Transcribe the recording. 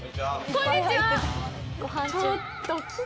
こんにちは！